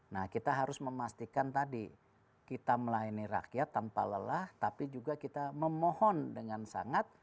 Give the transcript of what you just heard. nah kita harus memastikan tadi kita melayani rakyat tanpa lelah tapi juga kita memohon dengan sangat